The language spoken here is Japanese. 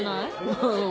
うん。